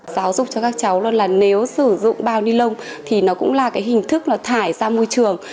giáo dục cho các cháu là nếu sử dụng bao ni lông thì nó cũng là cái hình thức là thải ra môi trường